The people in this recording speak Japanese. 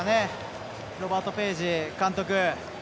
ロバート・ページ監督